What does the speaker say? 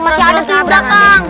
masih ada sih belakang